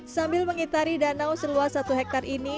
sambil mengitari danau seluas satu hektare ini